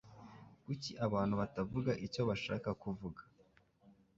Kuki abantu batavuga icyo bashaka kuvuga?